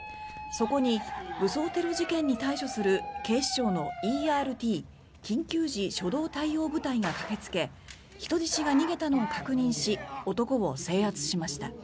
そこに武装テロ事件に対処する警視庁のＥＲＴ・緊急時初動対応部隊が駆けつけ人質が逃げたのを確認し男を制圧しました。